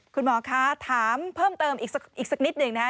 คุณหมอคะถามเพิ่มเติมอีกสักนิดหนึ่งนะคะ